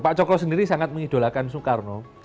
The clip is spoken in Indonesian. pak cokro sendiri sangat mengidolakan sukarno